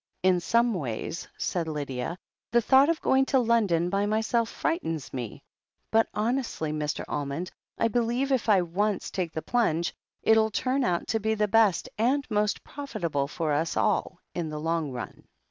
In some ways," said Lydia, "the thought of going to Lon don by myself frightens me — ^but honestly, Mr. Al mond, I believe if I once take the plunge, it'll turn out to be the best and most profitable for us all in the long run."